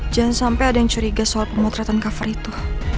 jangan sampai ada yang curiga soal pemotretan cover itu